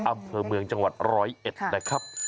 อำเภอเมืองจังหวัด๑๐๑แหละครับ